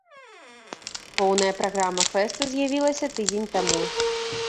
Поўная праграма фэсту з'явілася тыдзень таму.